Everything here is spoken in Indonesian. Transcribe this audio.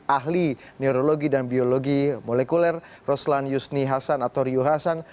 ahli neurologi dan biologi molekuler roslan yusni hassan atau ryu hassan